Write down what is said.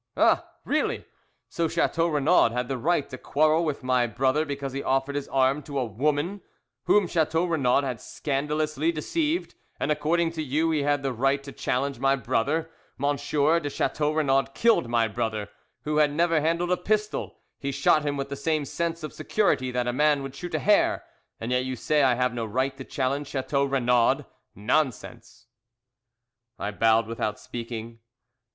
"Ah, really! So Chateau Renaud had the right to quarrel with my brother because he offered his arm to a woman whom Chateau Renaud had scandalously deceived, and according to you he had the right to challenge my brother. M. de Chateau Renaud killed my brother, who had never handled a pistol: he shot him with the same sense of security that a man would shoot a hare; and yet you say I have no right to challenge Chateau Renaud. Nonsense!" I bowed without speaking.